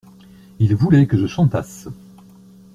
Il voulait que je chantasse.